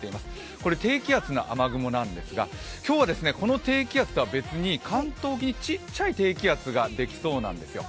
これ、低気圧の雨雲なんですが、今日はこの低気圧と別に関東沖にちっちゃい低気圧ができそうなんですよ。